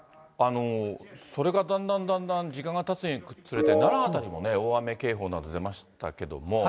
それがだんだんだんだん時間がたつにつれて、奈良辺りにも大雨警報など出ましたけれども。